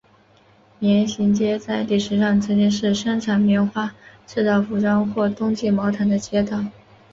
棉行街在历史上曾经是生产棉花制造服装或冬季毛毯的街道。